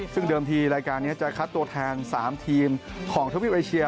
ซึ่งเดิมทีรายการนี้จะคัดตัวแทน๓ทีมของทวีปเอเชีย